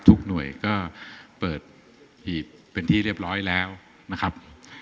ทุกหน่วยก็เปิดหีบเป็นที่เรียบร้อยแล้วนะครับ